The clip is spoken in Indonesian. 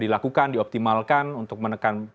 dilakukan dioptimalkan untuk menekan